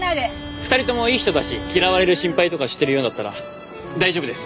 ２人ともいい人だし嫌われる心配とかしてるようだったら大丈夫です。